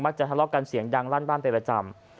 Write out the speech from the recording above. จะทะเลาะกันเสียงดังลั่นบ้านเป็นประจำ